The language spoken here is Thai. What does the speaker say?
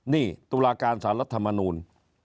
นี่ตุลาการสารัฐธรรมนุน